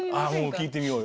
聴いてみようよ。